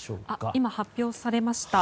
今、発表されました。